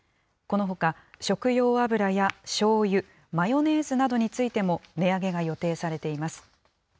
このほか、食用油やしょうゆ、マヨネーズなどについても値上げが予定されています。